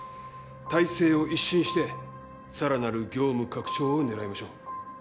体制を一新してさらなる業務拡張を狙いましょう。